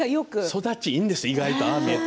育ちいいんですよああ見えて。